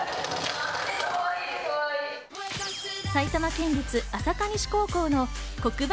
埼玉県立朝霞西高校の黒板